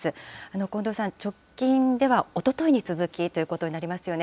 こんどうさん、直近ではおとといに続きということになりますよね。